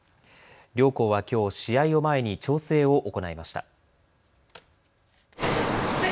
両校はきょう、試合を前に調整を行いました。